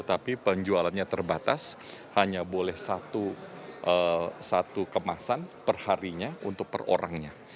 tapi penjualannya terbatas hanya boleh satu kemasan perharinya untuk per orangnya